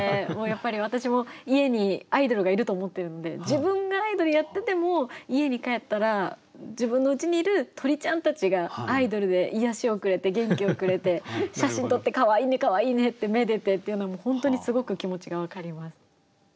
自分がアイドルやってても家に帰ったら自分のうちにいる鳥ちゃんたちがアイドルで癒やしをくれて元気をくれて写真撮ってかわいいねかわいいねってめでてっていうのも本当にすごく気持ちが分かります。